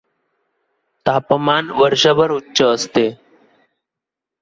तापमान वर्षभर उच्च असते.